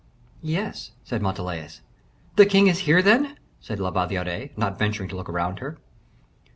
"Yes," said Montalais. "The king is here, then?" said La Valliere, not venturing to look round her.